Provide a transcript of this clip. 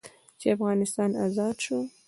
چې افغانستان ازاد سو.